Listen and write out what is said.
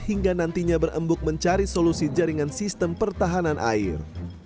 hingga nantinya berembuk mencari solusi jaringan sistem pertahanan air